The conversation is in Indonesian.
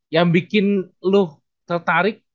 yang bikin lu tertarik